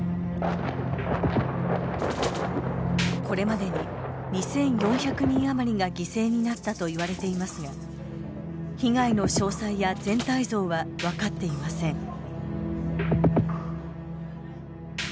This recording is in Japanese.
これまでに２４００人余りが犠牲になったといわれていますが被害の詳細や全体像は分かっていません。